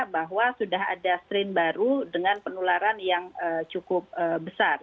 bahwa sudah ada strain baru dengan penularan yang cukup besar